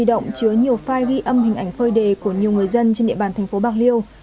động chứa nhiều file ghi âm hình ảnh phơi đề của nhiều người dân trên địa bàn thành phố bạc liêu